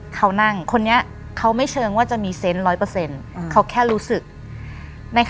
เขานั่งคนนี้เขาไม่เชิงว่าจะมีเซนต์๑๐๐เขาแค่รู้สึก